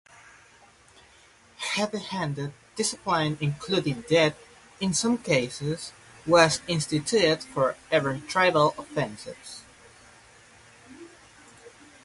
Heavy-handed discipline, including death in some cases, was instituted for even trivial offenses.